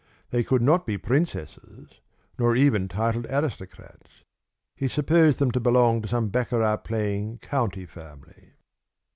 They could not be princesses, nor even titled aristocrats. He supposed them to belong to some baccarat playing county family.